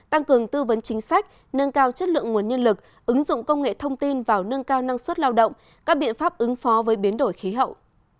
tăng cường tư vấn chính sách nâng cao chất lượng nguồn nhân lực ứng dụng công nghệ thông tin vào nâng cao năng suất lao động các biện pháp ứng phó với biến đổi khí hậu